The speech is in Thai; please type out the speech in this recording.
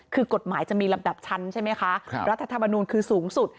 คือกฎหมายจะมีลำดับชั้นใช่ไหมคะรัฐธรรมนูลคือสูงสุด